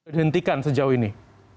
dihentikan sejauh ini